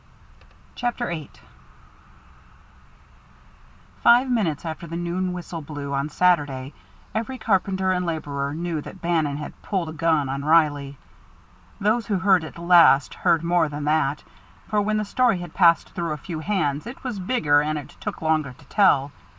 CHAPTER VIII Five minutes after the noon whistle blew, on Saturday, every carpenter and laborer knew that Bannon had "pulled a gun" on Reilly. Those who heard it last heard more than that, for when the story had passed through a few hands it was bigger and it took longer to tell.